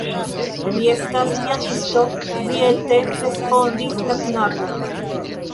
Mi estas pianisto, kviete respondis la knabo.